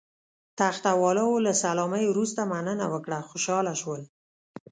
تخته والاو له سلامۍ وروسته مننه وکړه، خوشاله شول.